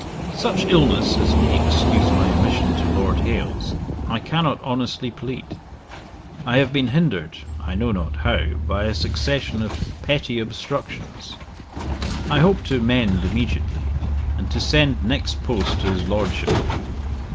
'Such illness as may excuse my omission to Lord Hailes, I cannot honestly plead. I have been hindered, I know not how, by a succession of petty obstructions. I hope to mend immediately, and to send next post to his Lordship.